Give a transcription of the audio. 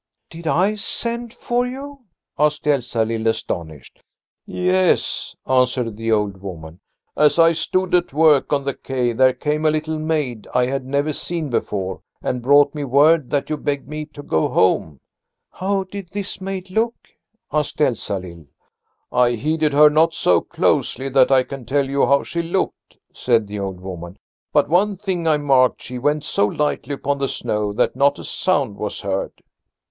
"Did I send for you?" asked Elsalill, astonished. "Yes," answered the old woman. "As I stood at work on the quay there came a little maid I had never seen before, and brought me word that you begged me to go home." "How did this maid look?" asked Elsalill. "I heeded her not so closely that I can tell you how she looked," said the old woman. "But one thing I marked; she went so lightly upon the snow that not a sound was heard."